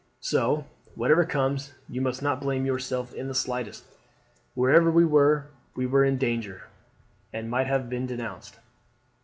So, whatever comes, you must not blame yourself in the slightest. Wherever we were we were in danger, and might have been denounced."